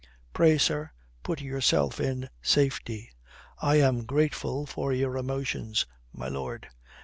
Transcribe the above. Pray, sir, put yourself in safety." "I am grateful for your emotions, my lord."